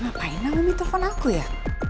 ngapain naomi telepon aku ya